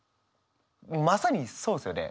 まさにそうですよね。